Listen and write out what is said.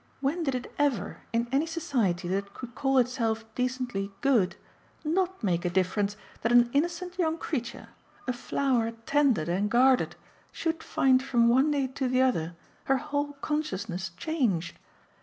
When did it ever, in any society that could call itself decently 'good,' NOT make a difference that an innocent young creature, a flower tended and guarded, should find from one day to the other her whole consciousness changed?